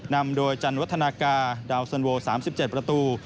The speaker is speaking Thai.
นำโดยจันวัฒนากาดาวสันโว๓๗ประตู